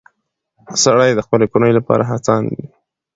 سړی د خپلې کورنۍ لپاره هڅاند وي